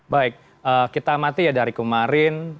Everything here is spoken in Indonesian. baik kita amati ya dari kemarin